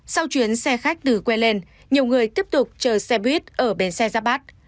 sau chuyến xe khách từ quê lên nhiều người tiếp tục chở xe buýt ở bến xe giáp bát